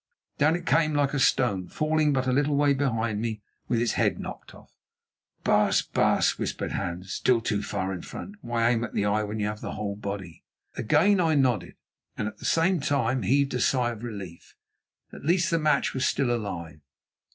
Down it came like a stone, falling but a little way behind me with its head knocked off. "Baas, baas," whispered Hans, "still too far in front. Why aim at the eye when you have the whole body?" Again I nodded, and at the same time heaved a sigh of relief. At least the match was still alive.